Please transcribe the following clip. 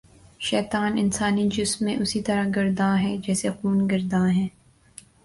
شیطان انسانی جسم میں اسی طرح گرداں ہے جیسے خون گرداں ہے